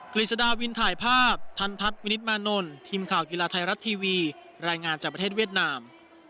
กฤษฎาวินถ่ายภาพทันทัศน์วินิตมานนท์ทีมข่าวกีฬาไทยรัฐทีวีรายงานจากประเทศเวียดนาม